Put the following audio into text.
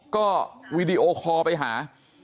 ก็วีดีโอคอลไปหา